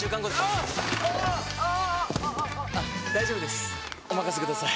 ニャー大丈夫ですおまかせください！